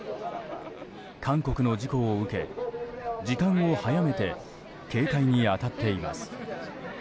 韓国の事故を受け時間を早めて警戒に当たっています。